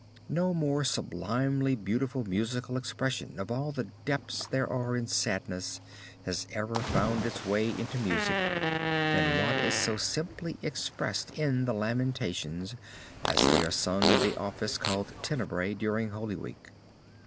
No more sublimely beautiful musical expression of all the depths there are in sadness has ever found its way into music, than what is so simply expressed in the Lamentations as they are sung in the office called Tenebrae during Holy Week.